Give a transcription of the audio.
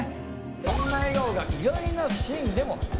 そんな笑顔が意外なシーンでも見られるんですね。